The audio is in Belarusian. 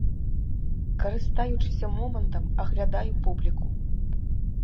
Карыстаючыся момантам, аглядаю публіку.